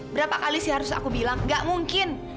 berapa kali sih harus aku bilang gak mungkin